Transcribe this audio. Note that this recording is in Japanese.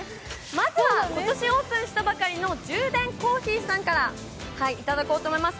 まずは今年オープンしたばかりのジューデンコーヒーさんからいただこうと思います。